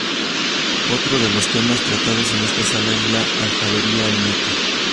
Otro de los temas tratados en esta sala, es la alfarería olmeca.